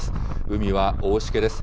海は大しけです。